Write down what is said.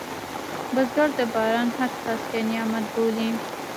بزګر د باران هر څاڅکی نعمت بولي